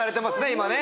今ね